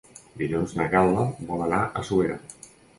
Dilluns na Gal·la vol anar a Suera.